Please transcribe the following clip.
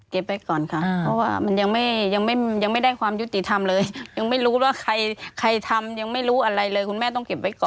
ก่อนค่ะเพราะว่ามันยังไม่ได้ยังไม่ได้ความยุติธรรมเลยยังไม่รู้ว่าใครทำยังไม่รู้อะไรเลยคุณแม่ต้องเก็บไว้ก่อน